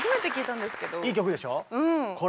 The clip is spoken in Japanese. いい曲でしょう？